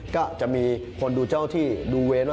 ก็จะมีคนดูเจ้าที่ดูเวรว่า